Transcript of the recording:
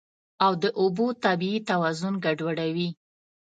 او د اوبو طبیعي توازن ګډوډوي.